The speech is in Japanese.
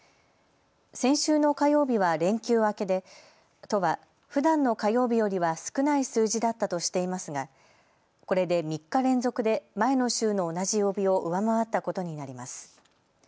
先週の火曜日は連休明けで都は、ふだんの火曜日よりは少ない数字だったとしていますがこれで３日連続で前の週の同じ曜日を上回ったことになります。